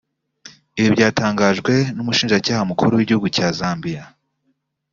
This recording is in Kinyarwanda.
Ibi byatangajwe n’umushinjacyaha mukuru w’Igihugu cya Zambia